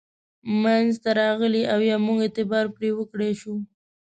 منځته راغلي او یا موږ اعتبار پرې وکړای شو.